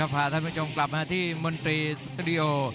พาท่านผู้ชมกลับมาที่มนตรีสตูดิโอ